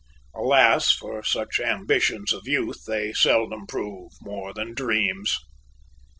Alas for such ambitions of youth, they seldom prove more than dreams.